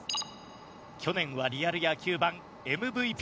去年はリアル野球ＢＡＮＭＶＰ。